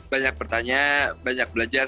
banyak bertanya banyak belajar